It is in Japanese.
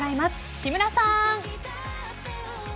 木村さん。